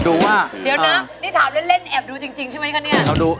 เดี๋ยวนะนี่ถามเล่นแอบดูจริงใช่ไหมคะเนี่ย